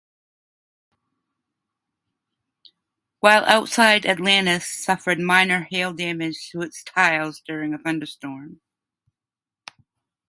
While outside, "Atlantis" suffered minor hail damage to its tiles during a thunderstorm.